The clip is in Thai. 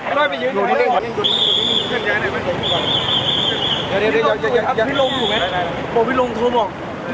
อ้าวปิ้งลงถูกหรอคะ